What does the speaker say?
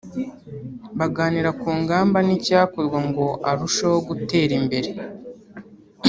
baganira ku ngamba n’icyakorwa ngo arusheho gutera imbere